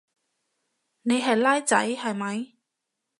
你係孻仔係咪？